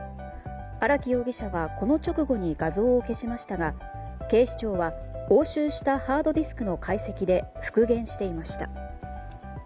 荒木容疑者はこの直後に画像を消しましたが警視庁は押収したハードディスクの解析で復元していました。